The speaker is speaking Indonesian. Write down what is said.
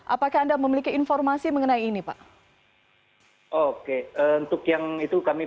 apakah anda memiliki informasi mengenai ini pak